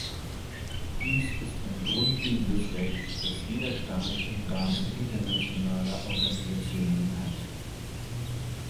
Dies ist ein grundlegendes Recht, das jeder Staat im Rahmen internationaler Organisationen hat.